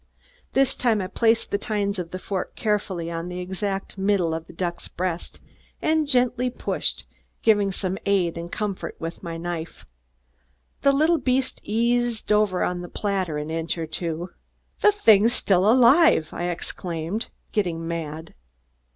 This time I placed the tines of the fork carefully on the exact middle of the duck's breast and gently pushed, giving some aid and comfort with my knife. The little beast eased over on the platter an inch or two. "The thing's still alive," I exclaimed, getting mad.